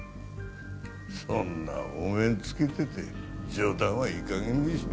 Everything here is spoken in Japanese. そんなお面つけてて冗談はいい加減にしろ